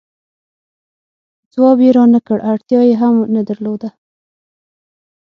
ځواب یې را نه کړ، اړتیا یې هم نه درلوده.